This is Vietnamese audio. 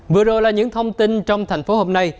vừa rồi là những thông tin trong thành phố hôm nay